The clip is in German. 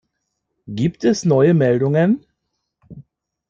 Gibt es neue Meldungen?